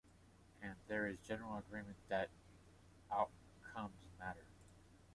And there is general agreement that outcomes matter.